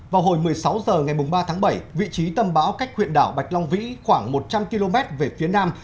vào hồi một mươi sáu h ngày ba tháng bảy vị trí tâm bão cách huyện đảo bạch long vĩ khoảng một trăm linh km về phía nam